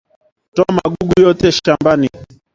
Toa magugu yote shambani